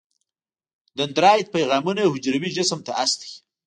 دندرایت پیغامونه حجروي جسم ته استوي.